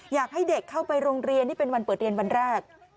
อยากให้เด็กเข้าไปโรงเรียนนี่เป็นวันเปิดเรียนวันแรก